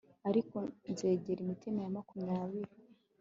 Ariko nzegera imitima ya makumyabiri